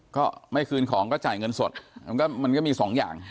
ก็ไม่คืนของก็จ่ายเงินสดมันก็มีสองอย่าง